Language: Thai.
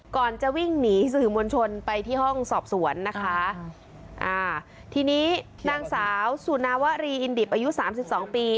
ก่อนจะวิ่งหนีสื่อมวลชนไปที่ห้องสอบสวนนะคะอ่าทีนี้นางสาวสุนาวรีอินดิบอายุสามสิบสองปี